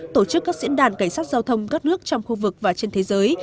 tổ chức các diễn đàn cảnh sát giao thông các nước trong khu vực và trên thế giới